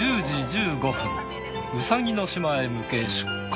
ウサギの島へ向け出航。